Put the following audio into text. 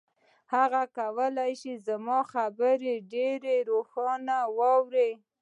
هغه کولای شي زما خبرې ډېرې روښانه واوري.